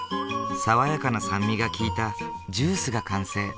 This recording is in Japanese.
爽やかな酸味が利いたジュースが完成。